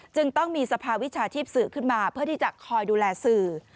จึงต้องมีสภาวิชาชีพสื่อขึ้นมาเพื่อที่จะคอยดูแลสื่อ